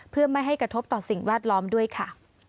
เพื่อไม่ให้กระทบต่อสิ่งแวดล้อมด้วยค่ะ